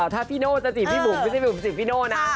ถ้าพี่โน่จะจีบพี่บุ๋มไม่ใช่บีมจีบพี่โน่นะ